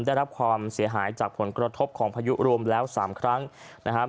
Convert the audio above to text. ได้รับความเสียหายจากผลกระทบของพายุรวมแล้ว๓ครั้งนะครับ